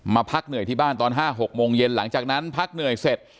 พักเหนื่อยที่บ้านตอน๕๖โมงเย็นหลังจากนั้นพักเหนื่อยเสร็จ